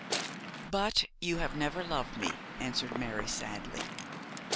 'But you have never loved me,' answered Mary, sadly.